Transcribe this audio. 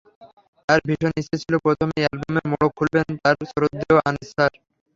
তাঁর ভীষণ ইচ্ছে ছিল, প্রথম অ্যালবামের মোড়ক খুলবেন তাঁর শ্রদ্ধেয় আনিস স্যার।